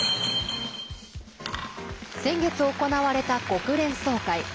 先月行われた国連総会。